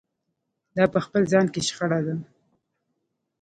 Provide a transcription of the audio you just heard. دا په خپل ځان کې شخړه ده.